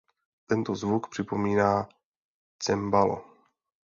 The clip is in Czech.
Tento zvuk připomíná cembalo.